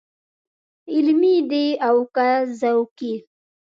علمي دی او که ذوقي.